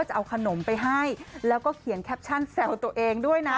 จะเอาขนมไปให้แล้วก็เขียนแคปชั่นแซวตัวเองด้วยนะ